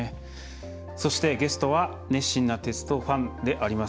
そして、ゲストは熱心な鉄道ファンであります